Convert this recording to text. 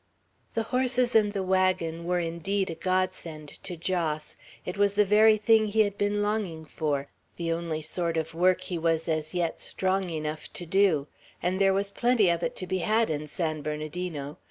The horses and the wagon were indeed a godsend to Jos. It was the very thing he had been longing for; the only sort of work he was as yet strong enough to do, and there was plenty of it to be had in San Bernardino.